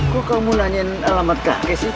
kok kamu mau nanyain alamat kakek sih